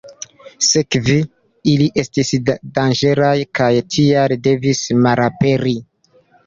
Sekve, ili estis danĝeraj kaj tial devis malaperi.